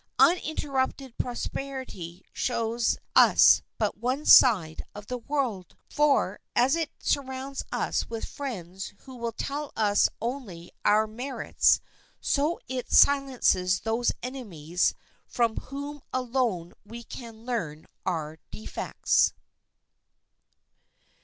Uninterrupted prosperity shows us but one side of the world. For, as it surrounds us with friends who will tell us only our merits, so it silences those enemies from whom alone we can learn our defects.